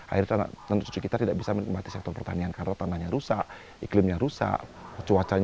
akhirnya anak cucu kita tidak bisa menikmati sektor pertanian karena tanahnya rusak iklimnya rusak